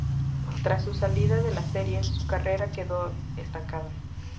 Tras su salida de la serie, su carrera quedó estancada.